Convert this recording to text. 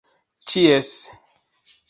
ĉies